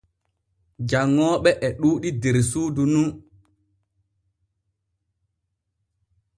Janŋooɓe e ɗuuɗi der suudu nu.